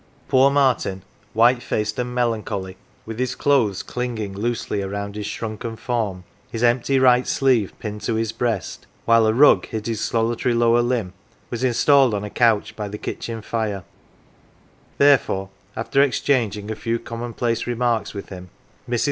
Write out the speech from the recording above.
86 NANCY Poor Martin, white faced and melancholy, with his clothes clinging loosely round his shrunken form, his empty right sleeve pinned to his hreast, while a rug hid his solitary lower limb, was installed on a couch by the kitchen fire ; therefore, after exchanging a few commonplace remarks with him, Mi's.